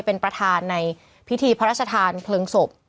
เป็นประธานในพิธีพระราชทานเพลิงศพ